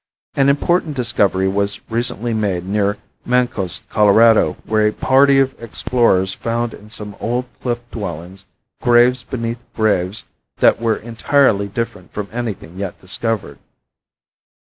An important discovery was recently made near Mancos, Colorado, where a party of explorers found in some old cliff dwellings graves beneath graves that were entirely different from anything yet discovered.